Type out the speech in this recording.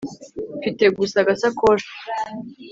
Mfite gusa agasakoshi